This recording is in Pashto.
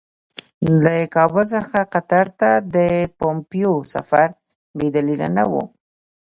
له کابل څخه قطر ته د پومپیو سفر بې دلیله نه وو.